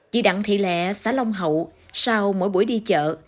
chị đặng thị lẹ xã long hậu sau mỗi buổi đi chợ